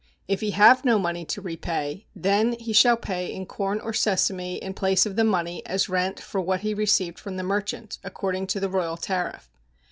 If he have no money to repay, then he shall pay in corn or sesame in place of the money as rent for what he received from the merchant, according to the royal tariff.